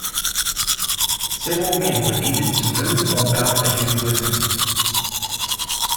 Several men were needed to move or mount the heavy weapon.